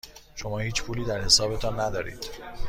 شما هیچ پولی در حسابتان ندارید.